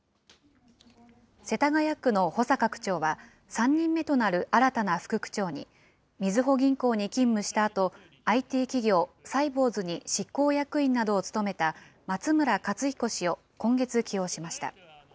世田谷区の保坂区長は、３人目となる新たな副区長に、みずほ銀行に勤務したあと、ＩＴ企業、サイボウズで執行役員などを務めた松村克彦氏を今月、起用しました。